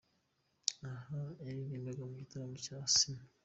Aha yaririmbaga mu gitaramo cya Asinah.